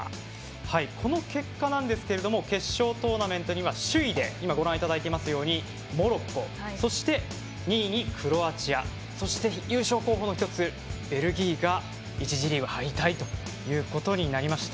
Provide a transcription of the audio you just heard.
この結果なんですけれども決勝トーナメントには首位でご覧いただいていますようにモロッコそして、２位にクロアチアそして、優勝候補の一つベルギーが１次リーグ敗退ということになりました。